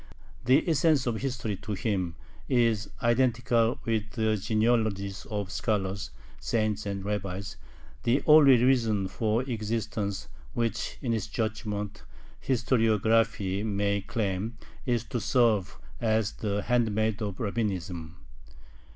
The essence of history to him is identical with the genealogies of scholars, saints, and rabbis; the only reason for existence which in his judgment historiography may claim is to serve as the handmaid of Rabbinism.